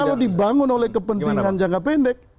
kalau dibangun oleh kepentingan jangka pendek